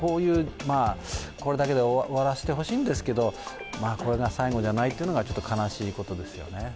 これだけで終わらせてほしいんですけど、これが最後じゃないっていうのが悲しいことですよね。